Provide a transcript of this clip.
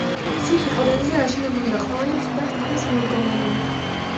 ციხე კლდეზეა აშენებული და ყოველი მხრიდან თითქმის მიუდგომელია.